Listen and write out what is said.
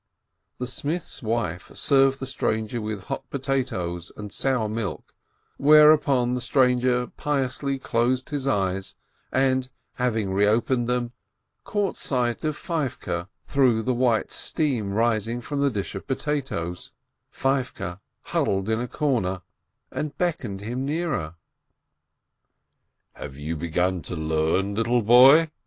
The smith's wife served the stranger with hot potatoes and sour milk, whereupon the stranger piously closed his eyes, and, having reopened them, caught sight of Feivke through the white steam rising from the dish of potatoes — Feivke, huddled up in a corner — and beckoned him nearer. "Have you begun to learn, little boy?"